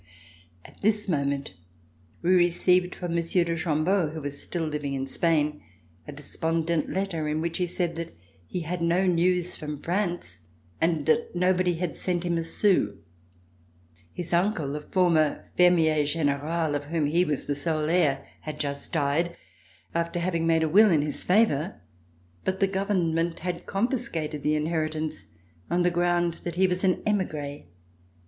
At this moment we received from Monsieur de Chambeau, who was still living in Spain, a despondent letter in which he said that he had no news from France and that nobody had sent him a sou. His uncle, a former Fermier General, of whom he was the sole heir, had just died after having made a will in his favor, but the government had confiscated the inheritance on the ground that he was an emigre.